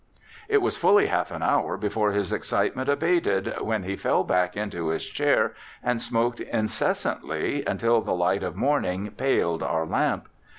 It was fully half an hour before his excitement abated, when he fell back into his chair, and smoked incessantly until the light of morning paled our lamp.